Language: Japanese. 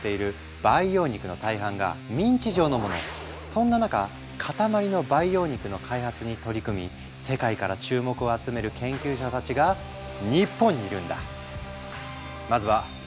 そんな中塊の培養肉の開発に取り組み世界から注目を集める研究者たちが日本にいるんだ。